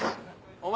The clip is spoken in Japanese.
お前